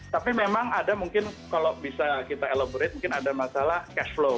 tapi memang ada mungkin kalau bisa kita elaborate mungkin ada masalah cash flow